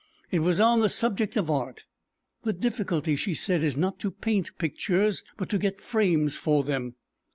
It was on the subject of art. "The difficulty," she said, "is not to paint pictures, but to get frames for them."